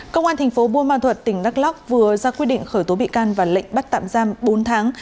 công an thành phố buôn ma thuật tỉnh đắk lóc vừa ra quyết định khởi tố bị can và lệnh bắt tạm giam bốn tháng